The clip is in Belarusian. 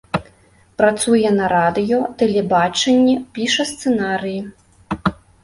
Працуе на радыё, тэлебачанні, піша сцэнарыі.